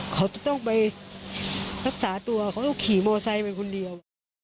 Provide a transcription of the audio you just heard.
เขาจะต้องไปรักษาตัวเขาก็ขี่มอไซค์ไปคนเดียว